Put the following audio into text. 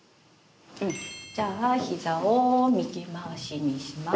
じゃあひざを右回しにします。